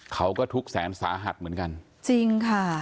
เขาก็ทุกข์แสนสาหัสเหมือนกันจริงค่ะ